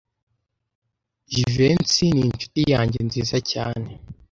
Jivency ninshuti yanjye nziza cyane.